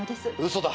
嘘だ！